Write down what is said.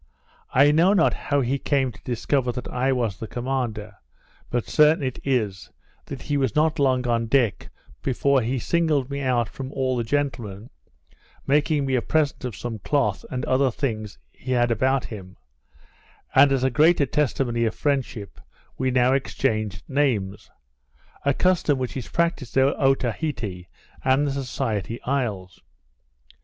I know not how he came to discover that I was the commander; but, certain it is, he was not long on deck before he singled me out from all the gentlemen, making me a present of some cloth, and other things he had about him; and as a greater testimony of friendship, we now exchanged names; a custom which is practised at Otaheite, and the Society Isles.